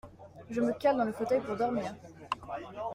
Je me cale dans le fauteuil pour dormir.